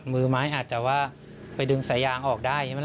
มือไม้อาจจะว่าไปดึงสายยางออกได้